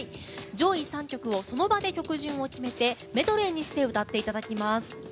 上位３曲をその場で曲順を決めてメドレーにして歌っていただきます。